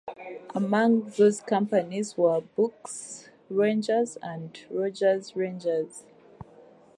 Among those companies were Burke's Rangers and Roger's Rangers.